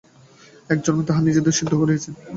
এক জন্মেই তাঁহারা নিজেদের সিদ্ধ করিয়াছেন।